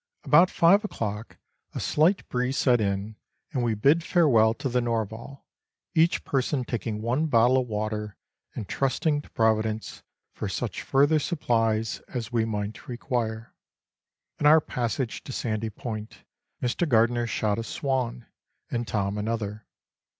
About five o'clock a slight breeze set in, and we bid farewell to the Norval, each person taking one bottle of water, and trusting to Providence for such further supplies as we might require. In our passage to Sandy Point, Mr. Gardiner shot a swan, and Tom another.